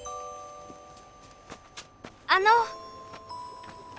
あの。